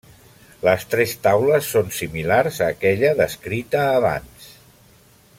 Les tres taules són similars a aquella descrita abans.